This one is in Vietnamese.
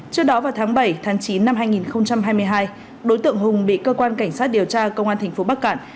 trước đó vào tháng bảy tháng chín năm hai nghìn hai mươi hai đối tượng hùng bị cơ quan cảnh sát điều tra công an thành phố bắc cạn